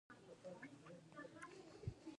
سانتیاګو د ناول اصلي قهرمان دی.